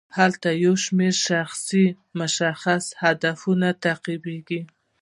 هلته یو شمیر اشخاص مشخص اهداف تعقیبوي.